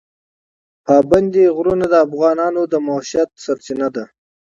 پابندی غرونه د افغانانو د معیشت سرچینه ده.